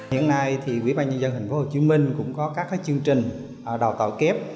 hiện nay thì quỹ ban nhân dân tp hcm cũng có các chương trình đào tạo kép